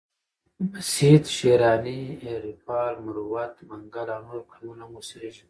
مسید، شیراني، هیریپال، مروت، منگل او نور قومونه هم اوسیږي.